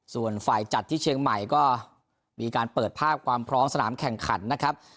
ส่วนฝ่ายจัดที่เชียงใหม่ก็มีการเปิดภาพความพร้อมสนามแข่งขันนะครับ